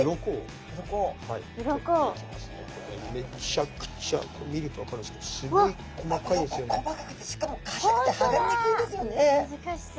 これめちゃくちゃ見ると分かるんですけど細かくてしかもかたくてはがれにくいですよね。